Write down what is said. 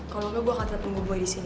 kalau enggak gue akan telepon ke boy disini